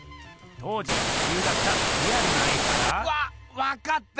当時しゅりゅうだったリアルな絵から。わわかった！